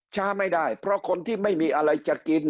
ช้าไม่ได้เพราะคนที่ไม่มีอะไรจะกิน